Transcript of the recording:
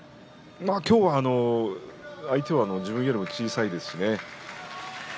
今日は相手は自分よりも小さいですしね。